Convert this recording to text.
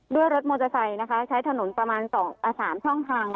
ด้วยรถมอเตอร์ไซต์ใช้ถนนประมาณ๒๓ช่องทาง